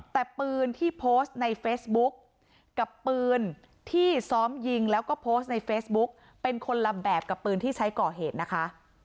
แต่ปืนที่โพสต์ในเฟซบุ๊กกับปืนที่ซ้อมยิงแล้วก็โพสต์ในเฟซบุ๊กเป็นคนละแบบกับปืนที่ใช้ก่อเหตุนะคะ